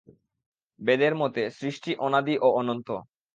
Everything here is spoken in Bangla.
বেদের মতে সৃষ্টি অনাদি ও অনন্ত।